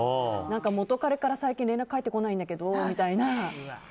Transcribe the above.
元カレから最近連絡入ってこないんだけどみたいな。